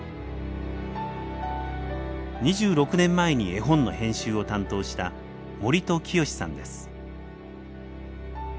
２６年前に絵本の編集を担当した森戸潔さんです。